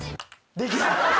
できない。